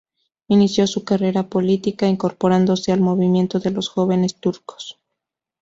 Inició su carrera política incorporándose al movimiento de los Jóvenes Turcos.